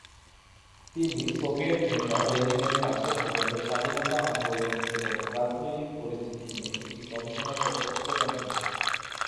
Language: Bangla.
তিনি সোভিয়েট নেতা লেনিনের কাছে ভারতের স্বাধীনতা আন্দোলন এবং রাজনৈতিক পরিস্থিতি নিয়ে একটি গবেষণাপত্র প্রদান করেন।